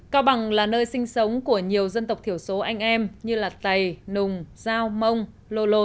cao bằng là nơi sinh sống của nhiều dân tộc thiểu số anh em như tày nùng giao mông lô lô